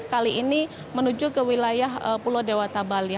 kali ini menuju ke wilayah pulau dewata bali